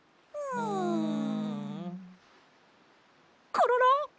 コロロ！